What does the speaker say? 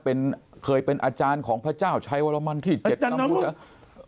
เป็นเคยเป็นอาจารย์ของพระเจ้าชัยวรมันที่เจ็ดนำผู้เจ้า